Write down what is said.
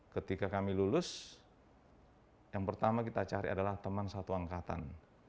ketika kami lulus yang pertama kita cari adalah teman satu angkatan